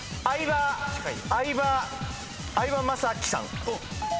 相葉雅紀さん。